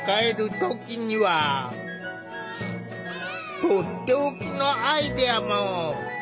とっておきのアイデアも。